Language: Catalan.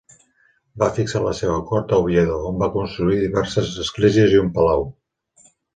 Va fixar la seva cort a Oviedo, on va construir diverses esglésies i un palau.